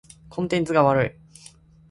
コンテンツが悪い。